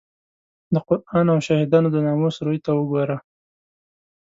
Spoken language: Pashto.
د قران او شهیدانو د ناموس روی ته وګوره.